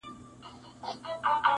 د بخشش او د ستایلو مستحق دی.